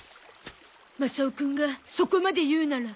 マサオくんがそこまで言うなら。